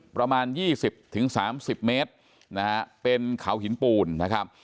ประมาณยี่สิบถึงสามสิบเมตรนะฮะเป็นเขาหินปูนนะครับ